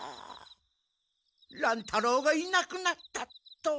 乱太郎がいなくなったと？